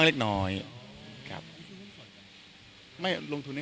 ของขวัญรับปริญญา